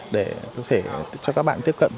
để có thể cho các bạn tiếp cận